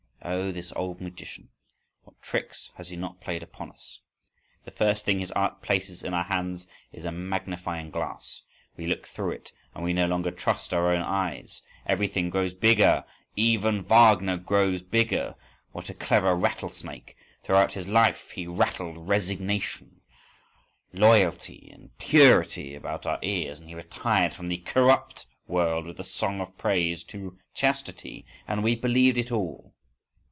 Oh, this old magician! what tricks has he not played upon us! The first thing his art places in our hands is a magnifying glass: we look through it, and we no longer trust our own eyes—Everything grows bigger, even Wagner grows bigger.… What a clever rattlesnake. Throughout his life he rattled "resignation," "loyalty," and "purity" about our ears, and he retired from the corrupt world with a song of praise to chastity!—And we believed it all.